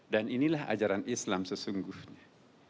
dan inilah ajaran islam sesungguhnya